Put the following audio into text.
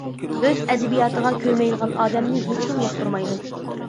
ئۆز ئەدەبىياتىغا كۆيمەيدىغان ئادەمنى ھېچكىم ياقتۇرمايدۇ!